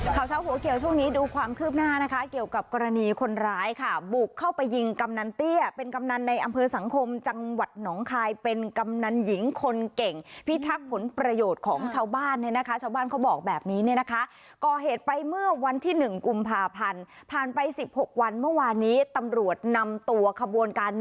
ข่าวเช้าหัวเขียวช่วงนี้ดูความคืบหน้านะคะเกี่ยวกับกรณีคนร้ายค่ะบุกเข้าไปยิงกำนันเตี้ยเป็นกำนันในอำเภอสังคมจังหวัดหนองคายเป็นกำนันหญิงคนเก่งพิทักษ์ผลประโยชน์ของชาวบ้านเนี่ยนะคะชาวบ้านเขาบอกแบบนี้เนี่ยนะคะก่อเหตุไปเมื่อวันที่๑กุมภาพันธ์ผ่านไป๑๖วันเมื่อวานนี้ตำรวจนำตัวขบวนการ